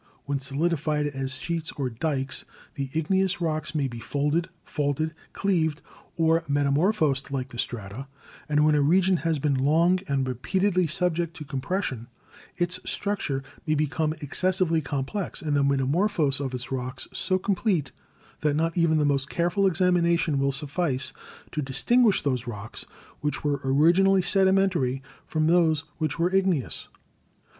When solidified as sheets or dykes the igneous rocks may be folded, faulted, cleaved or meta morphosed like the strata, and when a region has been long and repeatedly subjected to compression its structure may become excessively complex and the metamorphosis of its rocks so complete that not even the most careful examination will suffice to distinguish those rocks which were originally sedimentary from those which were igne ous.